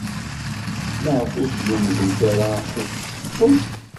Maɣef ur lemmdent ara ad ssewwent?